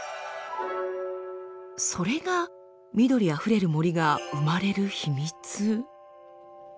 それが緑あふれる森が生まれる秘密？